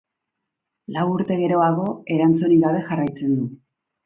Lau urte geroago, erantzunik gabe jarraitzen du.